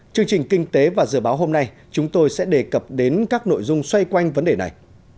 chương trình kinh tế và dự báo hôm nay chúng tôi sẽ đề cập đến các nội dung xoay quanh vấn đề này